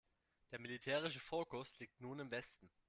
Der militärische Fokus liegt nun im Westen.